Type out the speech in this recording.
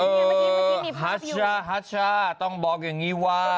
เออหัชชะต้องบอกอย่างนี้ว่า